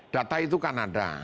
data itu kan ada